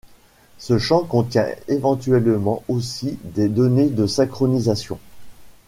Ce champ contient éventuellement aussi des données de synchronisation.